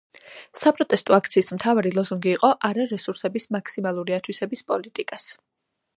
საპროტესტო აქციის მთავარი ლოზუნგი იყო „არა რესურსების მაქსიმალური ათვისების პოლიტიკას“.